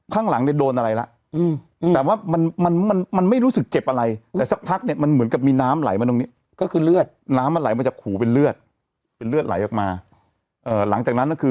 กำลังก็อยากถามกันว่าอ๋อคือเข้าไปสั่งนัก